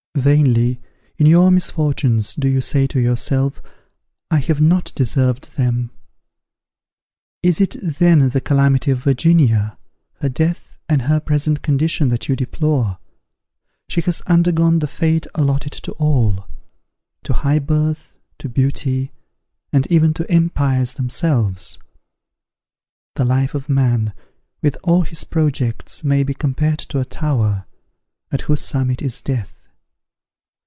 "Vainly, in your misfortunes, do you say to yourself, 'I have not deserved them.' Is it then the calamity of Virginia her death and her present condition that you deplore? She has undergone the fate allotted to all, to high birth, to beauty, and even to empires themselves. The life of man, with all his projects, may be compared to a tower, at whose summit is death.